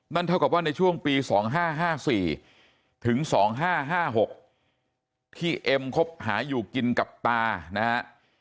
เท่ากับว่าในช่วงปี๒๕๕๔ถึง๒๕๕๖ที่เอ็มคบหาอยู่กินกับตานะฮะ